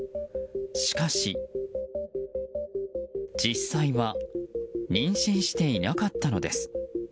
しかし、実際は妊娠していなかったのです。